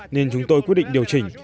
nên chúng tôi quyết định điều chỉnh